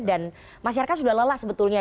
dan masyarakat sudah lelah sebetulnya